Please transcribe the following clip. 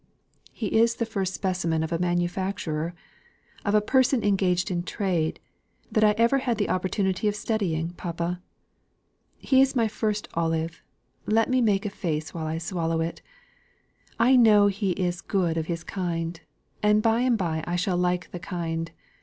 "He is the first specimen of a manufacturer of a person engaged in trade that I had ever the opportunity of studying, papa. He is my first olive: let me make a face while I swallow it. I know he is good of his kind, and by and by I shall like the kind.